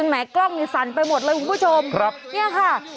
แม่กล้องมันสั่นไปหมดเลยคุณผู้ชมนี่ค่ะคุณคุณผู้ชมครับ